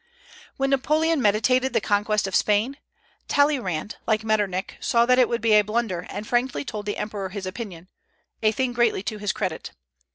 When Napoleon meditated the conquest of Spain, Talleyrand, like Metternich, saw that it would be a blunder, and frankly told the Emperor his opinion, a thing greatly to his credit.